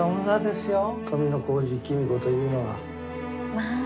まあ。